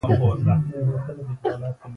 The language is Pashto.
د ګټې موندلو په منډه کې سرګردانه دي.